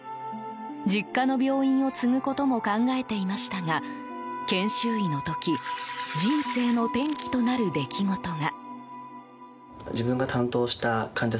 実家の病院を継ぐことも考えていましたが研修医の時人生の転機となる出来事が。